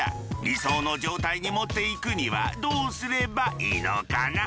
理想の状態に持っていくにはどうすればいいのかな？